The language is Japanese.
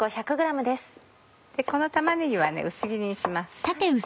この玉ねぎは薄切りにします。